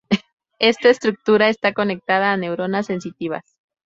Esta estructura está conectada a neuronas sensitivas.